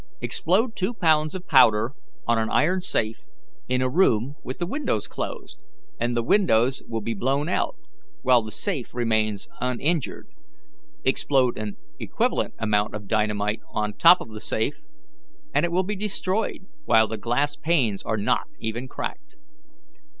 Explode two pounds of powder on an iron safe in a room with the windows closed, and the windows will be blown out, while the safe remains uninjured. Explode an equivalent amount of dynamite on top of the safe, and it will be destroyed, while the glass panes are not even cracked.